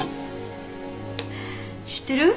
知ってる？